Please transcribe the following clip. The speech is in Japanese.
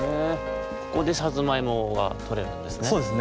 ここでさつまいもがとれるんですね。